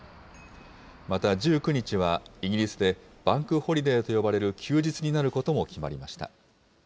また１９日はイギリスで、バンクホリデーと呼ばれる休日になることも決まりました。